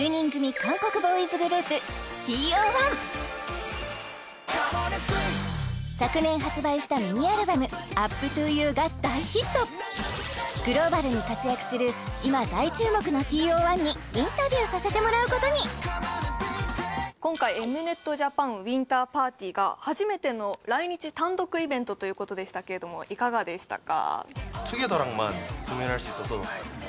韓国ボーイズグループＴＯ１昨年発売したミニアルバム「ＵＰ２Ｕ」が大ヒットグローバルに活躍するさせてもらうことに今回ＭｎｅｔＪａｐａｎＷｉｎｔｅｒＰａｒｔｙが初めての来日単独イベントということでしたけれどもいかがでしたか？